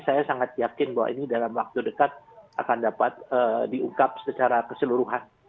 saya sangat yakin bahwa ini dalam waktu dekat akan dapat diungkap secara keseluruhan